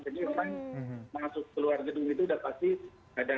jadi orang masuk keluar gedung itu sudah pasti ada